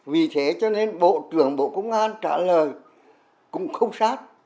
vì thế cho nên bộ trưởng bộ công an trả lời cũng không sát